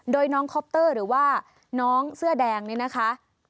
โดยน้องคอปเตอร์หรือว่าน้องเสื้อแดงนี่นะคะ